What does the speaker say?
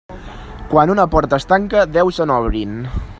Quan una porta es tanca, deu se n'obrin.